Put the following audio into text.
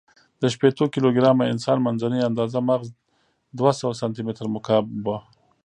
د شپېتو کیلو ګرامه انسان، منځنۍ آندازه مغز دوهسوه سانتي متر مکعب و.